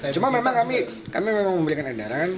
cuma memang kami memberikan edaran